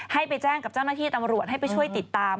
ให้ไปแจ้งกับเจ้าหน้าที่ตำรวจให้ไปช่วยติดตาม